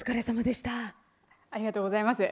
ありがとうございます。